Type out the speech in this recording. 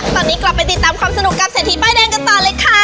ตอนนี้กลับไปติดตามความสนุกกับเศรษฐีป้ายแดงกันต่อเลยค่ะ